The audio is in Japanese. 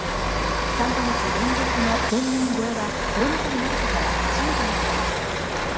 ３カ月連続の前年超えはコロナ禍になってから初めてのことです。